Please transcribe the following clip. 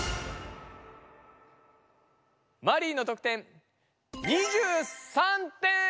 マリイの得点２３点！